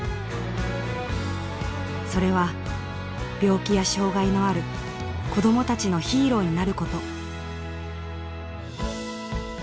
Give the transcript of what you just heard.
それは病気や障害のある子どもたちのヒーローになること。